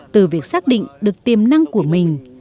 từ việc xác định được tiềm năng của mình